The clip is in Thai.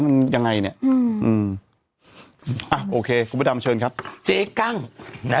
มันยังไงเนี้ยอืมอืมอ่ะโอเคคุณพระดำเชิญครับเจ๊กั้งนะ